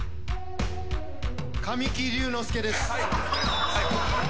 ・神木隆之介です。